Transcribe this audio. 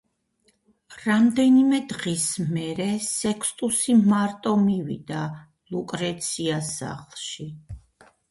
რამდენიმე დღის მერე სექსტუსი მარტო მივიდა ლუკრეციას სახლში.